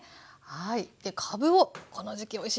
はい。